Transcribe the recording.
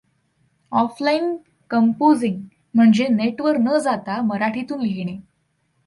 Offline composing म्हणजे नेटवर न जाता मराठीतून लिहिणे.